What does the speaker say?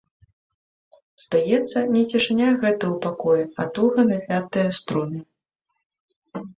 Здаецца, не цішыня гэта ў пакоі, а туга напятыя струны.